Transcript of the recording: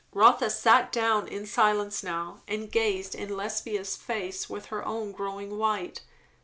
Rotha sat down, in silence now, and gazed in Lesbia's face with her own growing white.